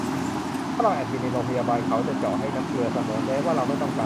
ถ้าเราแอดมิทในโรงพยาบาล เขาจะเจาะให้น้ำเกลือเสมอ แม้ว่าเราไม่ต้องการ